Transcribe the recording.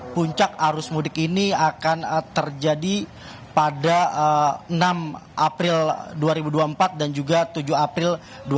puncak arus mudik ini akan terjadi pada enam april dua ribu dua puluh empat dan juga tujuh april dua ribu dua puluh